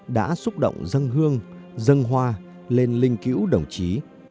đã xúc động dân hương dân hoa lên linh cữu đồng chí